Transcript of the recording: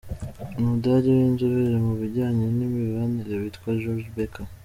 Umudage winzobere mu bijyanye nimibanire witwa Jörg Becker.